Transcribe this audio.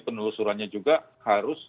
penelusurannya juga harus